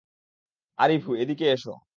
আরিভু, এদিকে এসো।